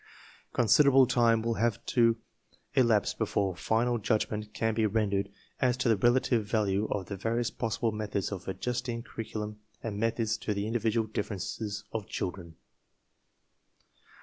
Considerable time will have to elapse before final judg ment can be rendered as to the relative value of the various possible methods of adjusting curriculum and mgthods to the individual differences of children.